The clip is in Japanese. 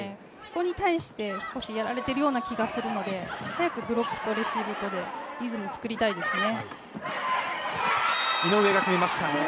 ここにやられているような気がするので早くサーブレシーブとリズムを作りたいですね。